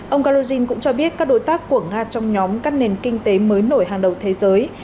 ông galugin cũng cho biết các đối tác của nga trong nhóm các nền kinh tế mới nổi hàng đầu thế giới